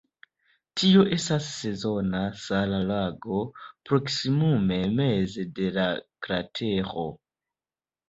Tio estas sezona sala lago proksimume meze de la kratero.